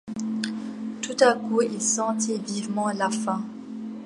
Tout à coup il sentit vivement la faim.